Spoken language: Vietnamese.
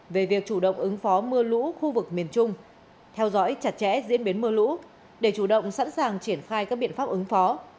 về việc chủ động ứng phó mưa lũ khu vực miền trung theo dõi chặt chẽ diễn biến mưa lũ để chủ động sẵn sàng triển khai các biện pháp ứng phó